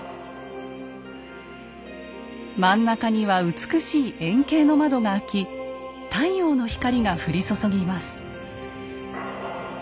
真ん中には美しい円形の窓が開き太陽の光が降り注ぎます。